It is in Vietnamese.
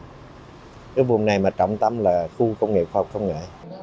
cái vùng này mà trọng tâm là khu công nghiệp khoa học công nghệ